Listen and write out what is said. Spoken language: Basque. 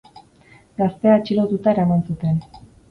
Gaztea atxilotuta eraman zuten.